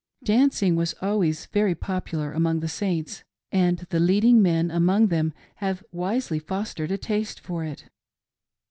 Dancing was always very popular among the Saints, and the leading men among them have wisely fostered a taste for it.